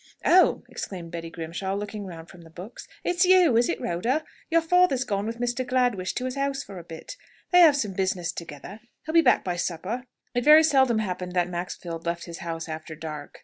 "Oh!" exclaimed Betty Grimshaw, looking round from the books. "It's you, is it, Rhoda? Your father is gone with Mr. Gladwish to his house for a bit. They have some business together. He'll be back by supper." It very seldom happened that Maxfield left his house after dark.